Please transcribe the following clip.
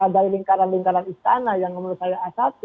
dari lingkaran lingkaran istana yang menurut saya a satu